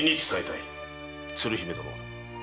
鶴姫殿。